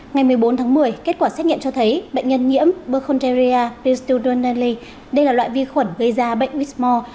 ngày một mươi bốn tháng một mươi kết quả xét nghiệm cho thấy bệnh nhân nhiễm burkhonteria pistiudernally đây là loại vi khuẩn gây ra bệnh wismore